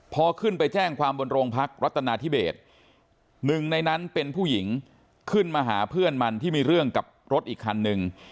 พอขึ้นไปแจ้งความบนโรงพักรัฐนาธิเบสหนึ่งในนั้นเป็นผู้หญิงขึ้นมาหาเพื่อนมันที่มีเรื่องกับรถอีกคันนึง